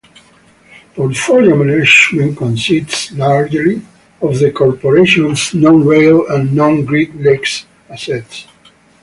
Portfolio Management consists largely of the corporation's non-rail and non-Great Lakes assets.